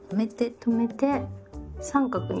止めて三角に。